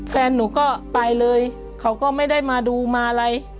แฟนหนูก็ไปเลยเขาก็ไม่ได้มาดูมาอะไร